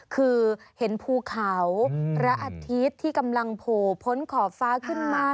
คือเห็นภูเขาพระอาทิตย์ที่กำลังโผล่พ้นขอบฟ้าขึ้นมา